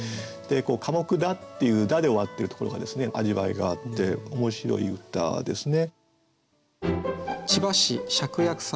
「寡黙だ」っていう「だ」で終わってるところが味わいがあって面白い歌ですね。